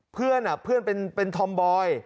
เพื่อนเป็นทอมบอย